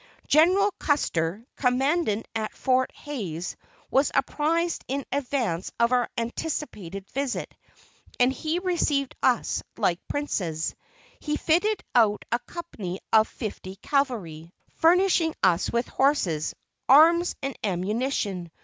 General Custar, commandant at Fort Hayes, was apprized in advance of our anticipated visit, and he received us like princes. He fitted out a company of fifty cavalry, furnishing us with horses, arms and ammunition.